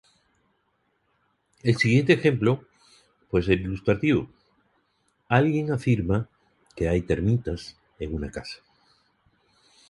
El siguiente ejemplo puede ser ilustrativo: alguien afirma que hay termitas en una casa.